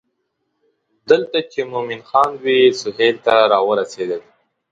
دلته چې مومن خان دوی سهیل ته راورسېدل.